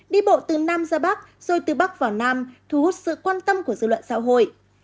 đi bộ từ nam ra bắc rồi từ bắc vào nam thu hút sự quan tâm của dư luận xã hội